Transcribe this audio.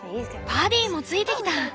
パディもついてきた！